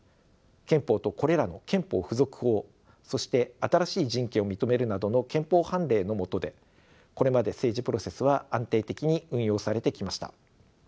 憲法とこれらの憲法付属法そして新しい人権を認めるなどの憲法判例のもとでこれまで政治プロセスは安定的に運用されてきました。